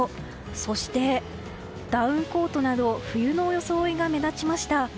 そして、ダウンコートなど冬の装いが目立ちました。